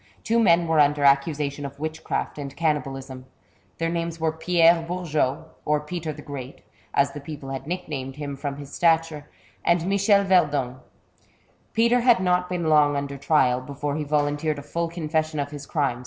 Two men were under accusation of witchcraft and cannibalism. Their names were Pierre Bourgot, or Peter the Great, as the people had nick named him from his stature, and Michel Verdung. Peter had not been long under trial, before he volun teered a full confession of his crimes.